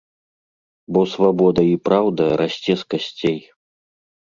Бо свабода і праўда расце з касцей.